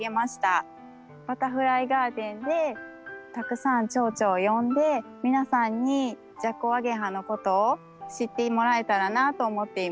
バタフライガーデンでたくさんチョウチョを呼んで皆さんにジャコウアゲハのことを知ってもらえたらなと思っています。